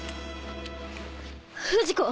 不二子！